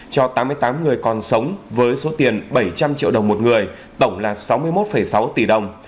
cho tám mươi tám người còn sống với số tiền bảy trăm linh triệu đồng một người tổng là sáu mươi một sáu tỷ đồng